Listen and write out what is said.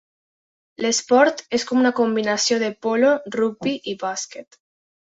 L'esport és com una combinació de polo, rugbi i bàsquet.